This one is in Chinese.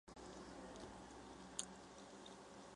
苗礼士是港龙航空创办人及首任行政总裁。